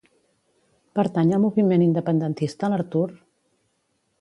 Pertany al moviment independentista l'Artur?